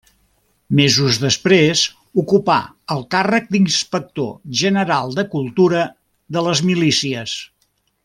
Mesos després ocupà el càrrec d'inspector general de cultura de les milícies.